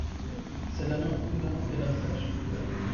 C’est d’un homme prudent et d’un sage tuteur.